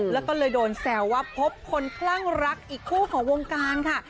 แล้วก็เลยโดนแซวว่าพบคนคลั่งรักอีกคู่ของวงการค่ะ